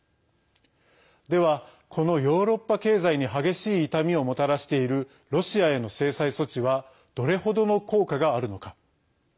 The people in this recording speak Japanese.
では、このヨーロッパ経済に激しい痛みをもたらしているロシアへの制裁措置はどれほどの効果があるのか。